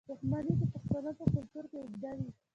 دښمني د پښتنو په کلتور کې اوږده وي.